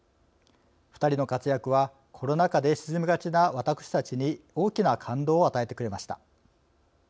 ２人の活躍はコロナ禍で沈みがちな私たちに大きな感動を与えてくれました。